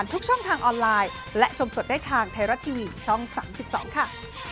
ตอนที่สามสิบสองค่ะ